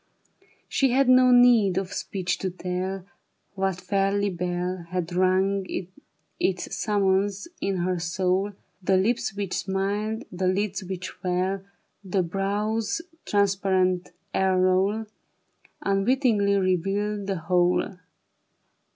She had no need of speech to tell What fairy bell Had rung its summons in her soul ; The lips which smiled, the lids which fell, The brow's transparent aureole, Unwittingly revealed the whole.